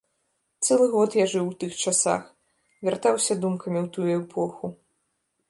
Цэлы год я жыў у тых часах, вяртаўся думкамі ў тую эпоху.